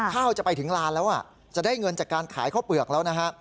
ข้าวจะไปถึงลานแล้วจะได้เงินจากการขายข้าวเปลือกแล้วนะฮะ